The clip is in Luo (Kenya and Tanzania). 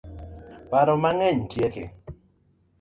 Paro mang'eny tieke